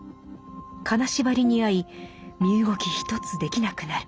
金縛りにあい身動きひとつできなくなる。